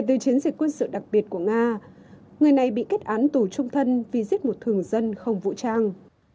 trong một chiến dịch quân sự đặc biệt của nga người này bị kết án tù chung thân vì giết một thường dân không vũ trang